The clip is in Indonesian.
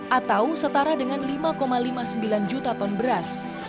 atau setara dengan lima lima puluh sembilan juta ton beras